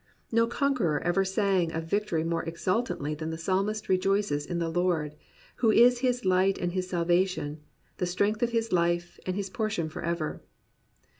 No conqueror ever sang of victory more exultantly than the Psalmist rejoices in the Lord, who is his Hght and his salvation, the strength of his life and his portion forever.